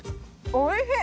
おいしい！